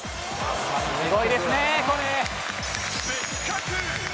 すごいですね、これ。